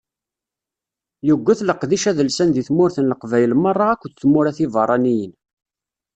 Yuget leqdic adelsan deg tmurt n leqbayel merra akked tmura tiberraniyin.